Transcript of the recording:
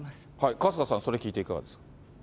春日さん、それ聞いていかがですか？